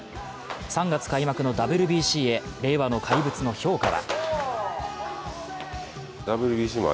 ３月開幕のＷＢＣへ令和の怪物の評価は。